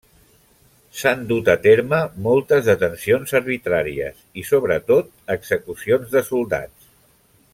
S'han dut a terme moltes detencions arbitràries i, sobretot, execucions de soldats.